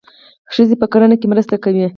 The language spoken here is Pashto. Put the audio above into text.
ښځې په کرنه کې مرسته کوي.